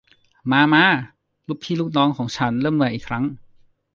มา มา ลูกพี่ลูกน้องของฉัน เริ่มใหม่อีกครั้ง